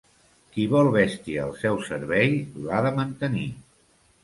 Qui vol bèstia al seu servei, l'ha de mantenir.